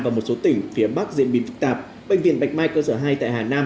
và một số tỉnh phía bắc diễn biến phức tạp bệnh viện bạch mai cơ sở hai tại hà nam